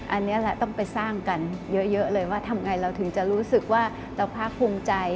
อันนี้แหละต้องไปสร้างกันเยอะเลยว่าทำไงเราถึงจะรู้สึกว่าเราภาคภูมิใจ